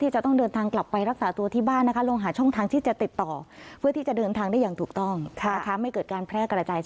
ที่จะต้องเดินทางกลับไปรักษาตัวที่บ้านนะคะ